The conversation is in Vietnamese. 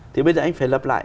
thì bây giờ anh phải lấp lại